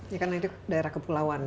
ya karena itu daerah kepulauan